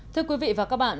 thưa quý vị và các bạn